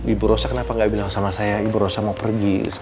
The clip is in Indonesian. ibu rosa kenapa gak bilang sama saya ibu rosa mau pergi